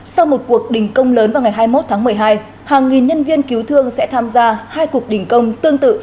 sau một cuộc đình công lớn vào ngày hai mươi một tháng một mươi hai hàng nghìn nhân viên cứu thương sẽ tham gia hai cuộc đình công tương tự